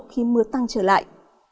khi mưa tăng trở lại